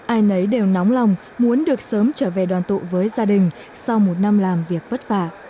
ai nấy đều nóng lòng muốn được sớm trở về đoàn tụ với gia đình sau một năm làm việc vất vả